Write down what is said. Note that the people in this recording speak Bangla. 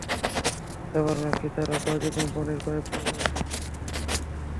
এবার নাকি তারা বাজি কোম্পানির পাইপ লাগাবে, শক্ত, মজবুত, ফাটবে না।